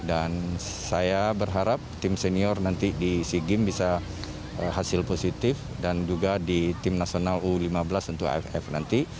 dan saya berharap tim senior nanti di sea games bisa hasil positif dan juga di tim nasional u lima belas untuk aff nanti